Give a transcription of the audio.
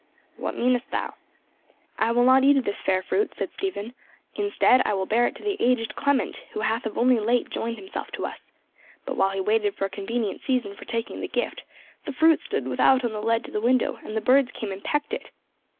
"What meanest thou?" "'I will not eat of this fair fruit,' said Stephen, 'instead I will bear it to the aged Clement, who hath only of late joined himself to us,' but while he waited for a convenient season for taking the gift, the fruit stood without on the ledge of the window, and the birds came and pecked it.